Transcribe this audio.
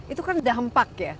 itu kan dampak ya